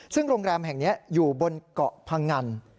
ซึ่งโรงแรมแห่งนี้อยู่บนเกาะพงัน